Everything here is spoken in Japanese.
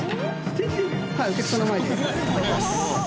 はいお客さんの前で。